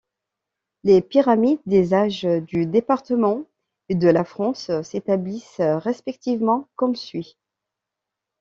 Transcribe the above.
Les pyramides des âges du Département et de la France s'établissent respectivement comme suit.